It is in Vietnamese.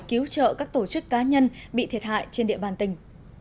cứu trợ các tổ chức cá nhân bị thiệt hại trên địa bàn tỉnh